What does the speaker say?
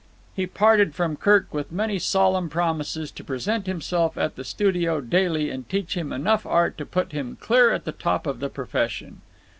He parted from Kirk with many solemn promises to present himself at the studio daily and teach him enough art to put him clear at the top of the profession.